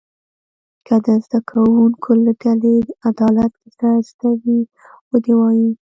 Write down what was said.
که د زده کوونکو له ډلې د عدالت کیسه زده وي و دې وایي.